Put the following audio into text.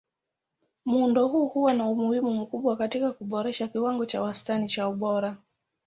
Muundo huu huwa na umuhimu mkubwa katika kuboresha kiwango cha wastani cha ubora.